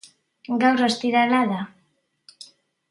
Gaur ostirala da